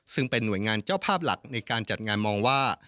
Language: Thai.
ซึ่งเป็นหน่วยงานเจ้าภาพหลักในการจัดงานมองว่า